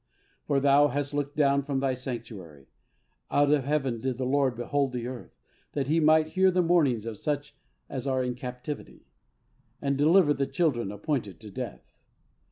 For Thou hast looked down from Thy sanctuary; out of heaven did the Lord behold the earth, that He might hear the mournings of such as are in captivity, and deliver the children appointed to death.